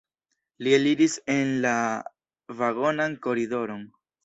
Li eliris en la vagonan koridoron.